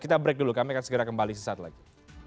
kita break dulu kami akan segera kembali sesaat lagi